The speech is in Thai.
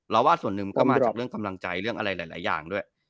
ว่าส่วนหนึ่งมันก็มาจากเรื่องกำลังใจเรื่องอะไรหลายอย่างด้วย